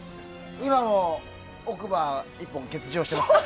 今も奥歯１本欠場してますから。